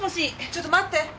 ちょっと待って！